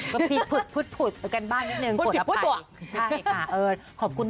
ก็พีดพุดไปกันบ้านนิดหนึ่ง